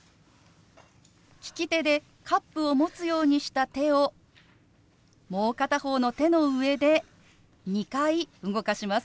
利き手でカップを持つようにした手をもう片方の手の上で２回動かします。